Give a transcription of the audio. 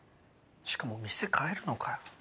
しかも店変えるのかよ。